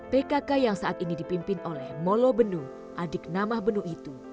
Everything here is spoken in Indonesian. pkk yang saat ini dipimpin oleh molo benu adik namah benu itu